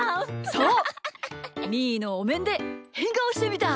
そうみーのおめんでへんがおしてみた！